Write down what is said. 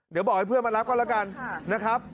เดี๋ยวบอกให้เพื่อนมารับก็แล้วกันนะครับ